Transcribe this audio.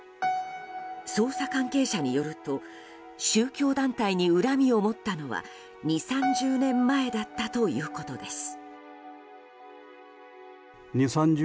捜査関係者によると宗教団体に恨みを持ったのは２０３０年前だったということです。